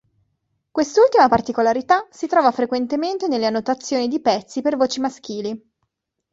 Quest'ultima particolarità si trova frequentemente nelle annotazioni di pezzi per voci maschili.